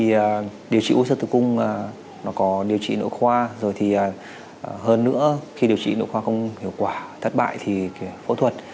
thì điều trị u sơ tử cung nó có điều trị nội khoa rồi thì hơn nữa khi điều trị nội khoa không hiệu quả thất bại thì phẫu thuật